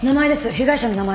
被害者の名前。